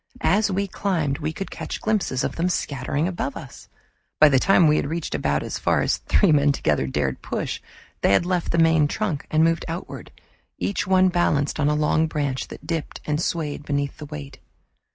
As we climbed we could catch glimpses of them scattering above us. By the time we had reached about as far as three men together dared push, they had left the main trunk and moved outward, each one balanced on a long branch that dipped and swayed beneath the weight.